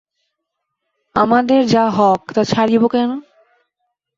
আমাদের যা হক তা ছাড়িব কেন?